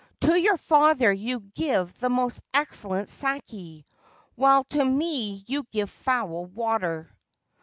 ' To your father you give the most excellent sak£, while to me you give foul water